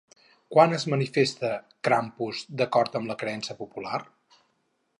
Quan es manifesta Krampus d'acord amb la creença popular?